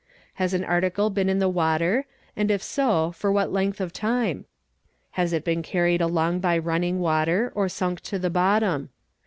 Has an article been in the water and if so for what length of time? has it been carried along by running water or sunk to the bottom?